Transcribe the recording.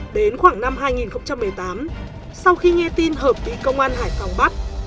đến khoảng năm hai nghìn một mươi tám sau khi nghe tin hợp bị công an hải phòng bắt